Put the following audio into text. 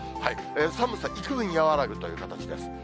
寒さ幾分和らぐという形です。